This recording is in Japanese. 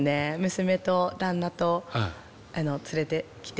娘と旦那と連れてきて。